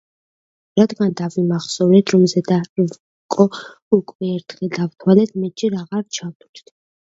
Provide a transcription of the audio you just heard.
რადგან დავიმახსოვრეთ, რომ ზედა რკო უკვე ერთხელ დავთვალეთ, მეტჯერ აღარ ჩავთვლით.